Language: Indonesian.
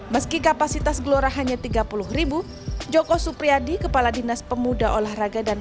meski kapasitas gelora hanya tiga puluh joko supriyadi kepala dinas pemuda olahraga dan